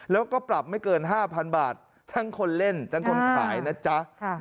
แล้วก็ปรับไม่เกิน๕๐๐๐บาททั้งคนเล่นทั้งคนขายนะจ๊ะ